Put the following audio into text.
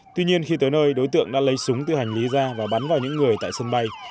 tuy nhiên khi tới nơi đối tượng đã lấy súng tự hành lý ra và bắn vào những người tại sân bay